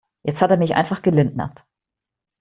Jetzt hat er mich einfach gelindnert.